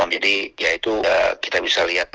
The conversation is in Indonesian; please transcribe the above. jadi ya itu kita bisa lihat